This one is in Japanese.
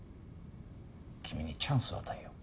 君にチャンスを与えよう。